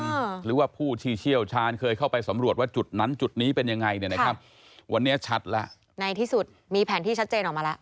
ในที่สุดมีแผนที่ชัดเจนออกมาแล้ว